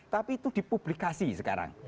tapi itu dipublikasi sekarang